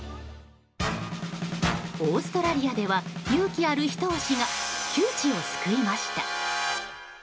オーストラリアでは勇気あるひと押しが窮地を救いました。